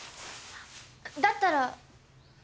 だったら！